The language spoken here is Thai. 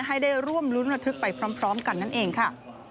ให้ได้ร่วมรุ้นระทึกไปพร้อมกันนั่นเองค่ะ